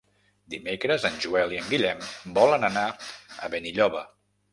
Dimecres en Joel i en Guillem volen anar a Benilloba.